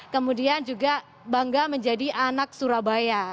kemudian juga bangga menjadi anak surabaya